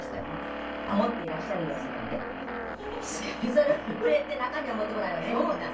それをくれて中身は持ってこないわけねみんな。